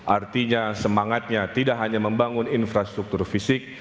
artinya semangatnya tidak hanya membangun infrastruktur fisik